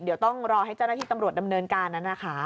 เดี๋ยวต้องรอให้เจ้าหน้าที่ตำรวจดำเนินการนั้นนะคะ